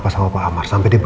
saya hanya meminta